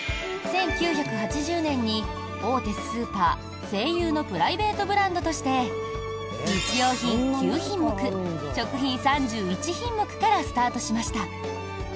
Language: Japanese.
１９８０年に大手スーパー、西友のプライベートブランドとして日用品９品目、食品３１品目からスタートしました。